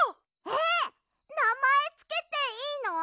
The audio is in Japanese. えっなまえつけていいの？